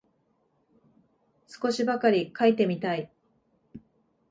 少しばかり書いてみたい